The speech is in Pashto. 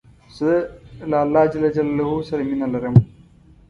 زه له الله ج سره مینه لرم.